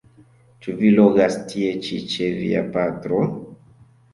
Ĉu vi logas tie ĉi ĉe via patro?